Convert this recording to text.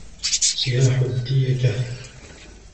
صياح الديكة